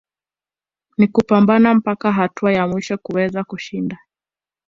ni kupambana mpaka hatua ya mwisho kuweza kushinda